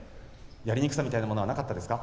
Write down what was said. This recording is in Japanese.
やりにくさみたいなものはなかったですか？